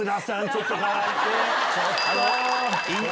ちょっと。